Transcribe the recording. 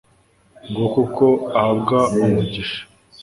nguko uko ahabwa umugisha